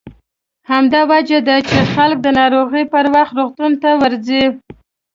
همدا وجه ده چې خلک د ناروغۍ پر وخت روغتون ته ورځي.